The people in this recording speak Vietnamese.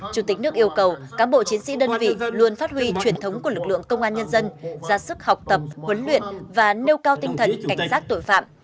chủ tịch nước yêu cầu cán bộ chiến sĩ đơn vị luôn phát huy truyền thống của lực lượng công an nhân dân ra sức học tập huấn luyện và nêu cao tinh thần cảnh giác tội phạm